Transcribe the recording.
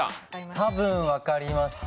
多分、分かりました。